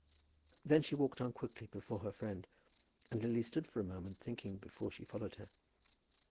Then she walked on quickly before her friend, and Lily stood for a moment thinking before she followed her.